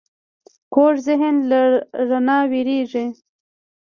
کوږ ذهن له رڼا وېرېږي